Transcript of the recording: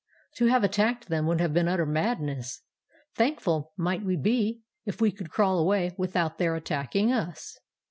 To have attacked them would have been utter madness. Thankful might we be if we could crawl away without their attacking us.